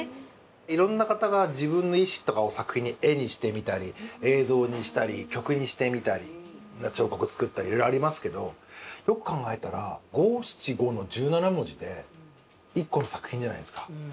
いろんな方が自分の意思とかを作品に絵にしてみたり映像にしたり曲にしてみたり彫刻作ったりいろいろありますけどよく考えたら五七五の１７文字で一個の作品じゃないですか。